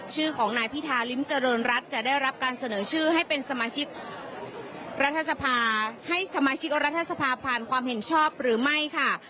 ชื่อของนายพิธาริมเจริญรัฐจะได้รับการเสนอชื่อให้เป็นสมาชิกรัฐสภาให้สมาชิกรัฐสภาผ่านความเห็นชอบหรือไม่ค่ะ